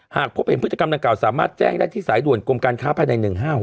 หากพบเห็นพฤติกรรมดังกล่าสามารถแจ้งได้ที่สายด่วนกรมการค้าภายใน๑๕๖